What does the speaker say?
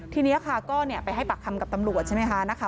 ทีนี้ราคาก็เนี้ยไปให้ปักคำกับตำลวช์ใช่ไหมคะ